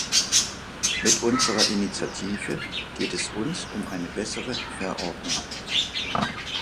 Mit unserer Initiative geht es uns um eine bessere Verordnung.